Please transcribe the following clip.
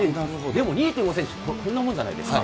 でも２．５センチ、こんなもんじゃないですか。